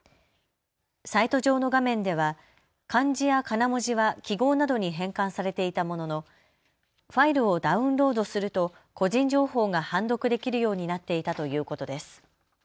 サイト上の画面では漢字やかな文字は記号などに変換されていたもののファイルをダウンロードすると個人情報が判読できるようになっていたということです。